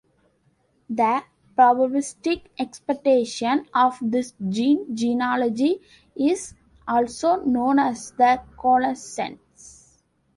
The probabilistic expectation of this gene genealogy is also known as the coalescent.